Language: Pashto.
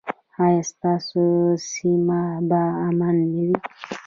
ایا ستاسو سیمه به امن نه وي؟